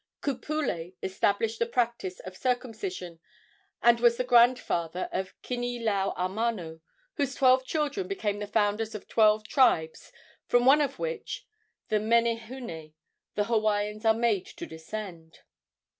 Ku Pule established the practice of circumcision, and was the grandfather of Kini lau a mano, whose twelve children became the founders of twelve tribes, from one of which the Menehune the Hawaiians are made to descend.